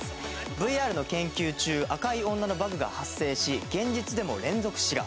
ＶＲの研究中赤い女のバグが発生し現実でも連続死が。